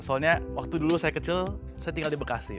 soalnya waktu dulu saya kecil saya tinggal di bekasi